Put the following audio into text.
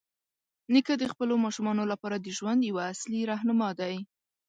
نیکه د خپلو ماشومانو لپاره د ژوند یوه اصلي راهنما دی.